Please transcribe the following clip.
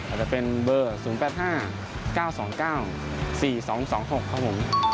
อาจจะเป็นเบอร์๐๘๕๙๒๙๔๒๒๖ครับผม